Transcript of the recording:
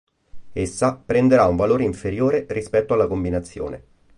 Essa prenderà un valore inferiore rispetto alla combinazione.